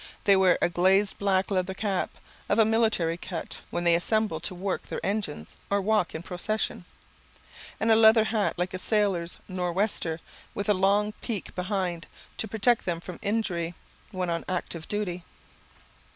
They wear a glazed black leather cap, of a military cut, when they assemble to work their engines, or walk in procession; and a leather hat like a sailor's nor wester, with a long peak behind, to protect them from injury, when on active duty.